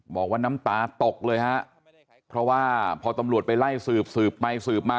บอกว่าน้ำตาตกเลยฮะเพราะว่าพอตำรวจไปไล่สืบสืบไปสืบมา